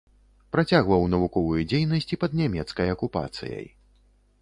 Працягваў навуковую дзейнасць і пад нямецкай акупацыяй.